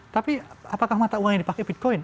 tapi apakah mata uangnya dipakai bitcoin